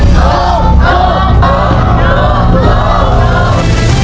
โค้งโค้งโค้งโค้งโค้ง